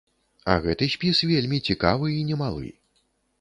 А гэты спіс вельмі цікавы і немалы.